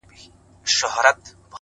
غواړمه چي دواړي سترگي ورکړمه ـ